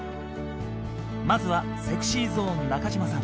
まずはＳｅｘｙＺｏｎｅ中島さん。